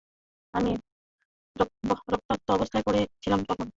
আমি রক্তাক্ত অবস্থায় পড়ে ছিলাম তখন।